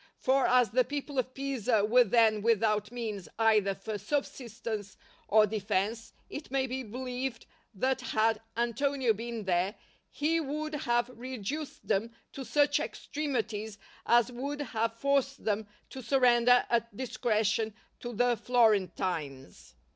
For as the people of Pisa were then without means either for subsistence or defence, it may be believed that had Antonio been there he would have reduced them to such extremities as would have forced them to surrender at discretion to the Florentines.